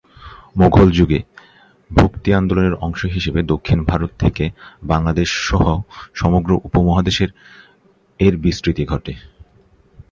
মোঘল যুগে ভক্তি আন্দোলনের অংশ হিসেবে দক্ষিণ ভারত থেকে বাংলাদেশসহ সমগ্র উপমহাদেশে এর বিস্তৃতি ঘটে।